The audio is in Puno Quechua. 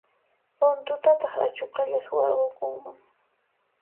Runtutataq achuqalla suwarqukunman.